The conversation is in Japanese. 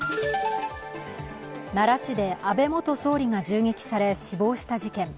奈良市で安倍元総理が銃撃され死亡した事件。